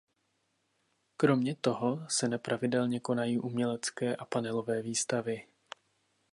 Kromě toho se nepravidelně konají umělecké a panelové výstavy.